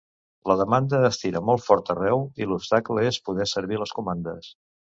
La demanda estira molt fort arreu i l’obstacle és poder servir les comandes.